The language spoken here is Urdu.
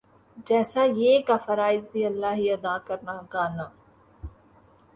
جَیسا یِہ کا فرائض بھی اللہ ہی ادا کرنا گانا